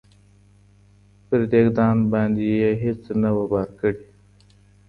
پر دېګدان باندي یې هیڅ نه وه بار کړي